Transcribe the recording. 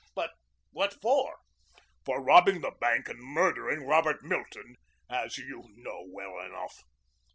"But what for?" "For robbing the bank and murdering Robert Milton, as you know well enough."